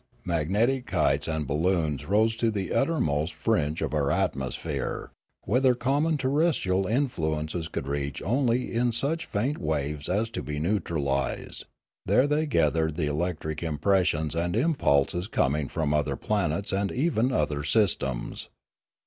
Magnetic kites and balloons rose to the uttermost fringe of our atmosphere, whither common terrestrial influences could reach only in such faint waves as to be neutralised; there they gathered the electric im pressions and impulses coming from other planets and even other systems.